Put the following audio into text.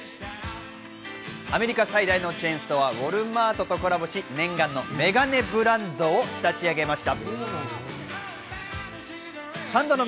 そして今月ついにアメリカ最大のチェーンストア、ウォルマートとコラボし、念願のメガネブランドを立ち上げました。